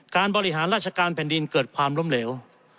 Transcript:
การบริหารราชการแผ่นดินเกิดความล้มเหลว